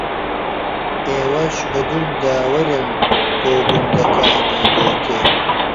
ئێوەش بە دوومدا وەرن بۆ گوندەکانی بۆتێ